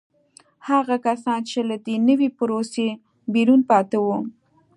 هغه کسان چې له دې نوې پروسې بیرون پاتې وو